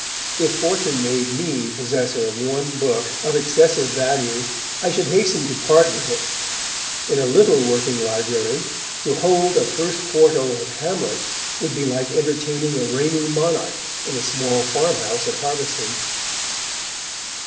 If fortune made me possessor of one book of excessive value, I should hasten to part with it. In a little working library, to hold a first quarto of Hamlet, would be like entertaining a reigning monarch in a small farmhouse at harvesting.